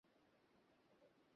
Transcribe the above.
তিনি half back হিসেবে খেলতেন।